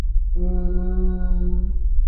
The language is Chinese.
萤幕上白色游标闪烁刺眼